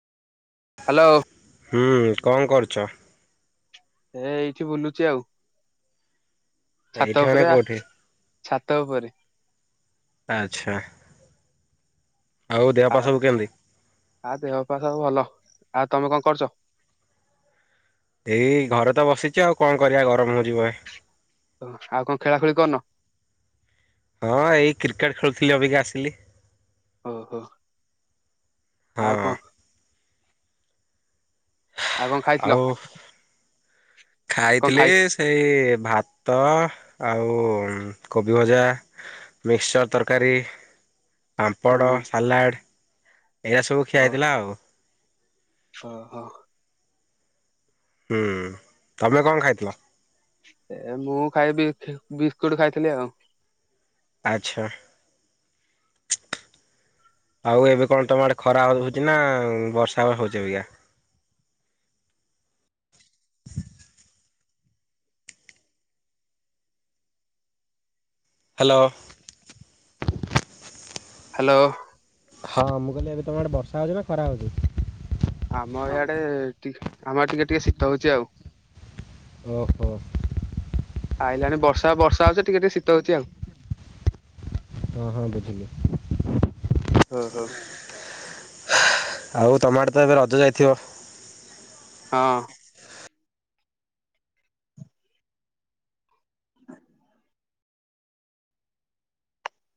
Hello ହୁଁ କଣ କରୁଚ? ଏ ଏଇଠି ବୁଲୁଚି ଆଉ, ଏଇଠି ଛାତ ମାନେ ଉପରେ ବା କୋଉଠି? ଛାତ ଉପରେ ଆଚ୍ଛା। ଆଉ ଦେହ ଆ ପା ସବୁ କେମିତି? ଆ ଦେହ ପା ସବୁ ଭଲ। ଆଉ ତମେ କଣ କରୁଚ? ଏଇ ଘରେ ତ ବସିଚି ଆଉ କଣ କରିବା ଗରମ ହଉଚି ବହେ। ଓହ ଆଉ କଣ ଖେଳା ଖେଳି କରୁନ? ହଁ ଏଇ କ୍ରିକେଟ ଖେଳୁଥିଲି ଅବିକା ଆସିଲି। ଓହୋ, ଆଉ ହଁ କଣ? ଆଉ କଣ ଖାଇଥିଲ? କଣ ଖାଇଥିଲି ଖାଇ ସେଇ ଭାତ ଆଉ କୋବି ଭଜା ମିକ୍ସଚର୍ ତରକାରୀ ହୁଁ ପାମ୍ପଡ଼, ସାଲାଡ଼ ଏଇଆ ସବୁ ଖିଆ ଓ ହେଇଥିଲା ଆଉ। ଓହୋ। ହୁଁ। ତମେ କଣ ଖାଇଥିଲ? ଏ ମୁଁ ଖାଇବି ବିସ୍କୁଟ ଖାଇଥିଲି ଆଉ। ଆଚ୍ଛା। ଆଉ ଏବେ କଣ ତମ ଆଡେ ଖରା ହଉଚି ନା, ବର୍ଷା ହେଉଛି ଅବିକା? ହାଲୋ। ହାଲୋ। ହଁ ମୁଁ କଇଲି ଏବେ ତମ ଆଡେ ବର୍ଷା ହଉଚି ନା ଖରା ହଉଚି? ଆମ ଇଆଡେେ ଟି ଆମ ଇଆ ଟିକେ ଟିକେ ଶୀତ ହଉଛି ଆଉ। ଓହୋ। ଆଇଲାଣି ବର୍ଷା। ବର୍ଷା ହଉଛି ଟିକେ ଟିକେ ଶୀତ ହଉଛି ଆଉ। ହଁ ହଁ ବୁଝିଲି। ଓ ହୋ। ଆଉ ତମ ଆଡେ ତ ଏବେ ରଜ ଯାଇଥିବ? ହଁ।